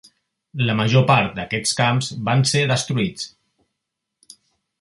La major part d'aquests camps van ser destruïts.